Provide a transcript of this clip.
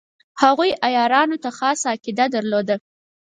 هغوی عیارانو ته خاصه عقیده درلوده.